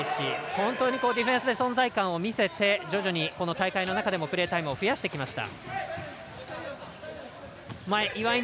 本当にディフェンスで存在感を見せて徐々にこの大会の中でもプレータイム延ばしてきました。